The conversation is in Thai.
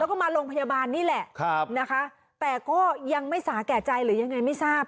แล้วก็มาโรงพยาบาลนี่แหละนะคะแต่ก็ยังไม่สาแก่ใจหรือยังไงไม่ทราบ